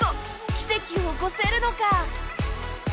奇跡を起こせるのか？